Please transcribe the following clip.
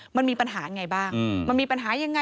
มันมีปัญหายังไงบ้าง